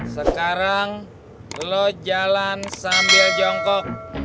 sekarang lo jalan sambil jongkok